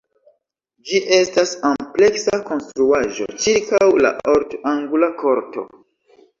Ĝi estas ampleksa konstruaĵo ĉirkaŭ la ort-angula korto.